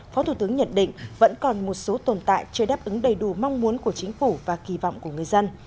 phó thủ tướng nhận định vẫn còn một số tồn tại chưa đáp ứng đầy đủ mong muốn của chính phủ và kỳ vọng của người dân